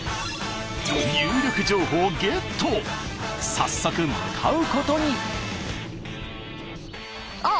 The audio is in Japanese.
早速向かうことに。